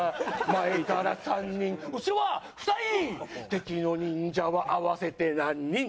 「前から３人後ろは２人」「敵の忍者は合わせて何人じゃ？」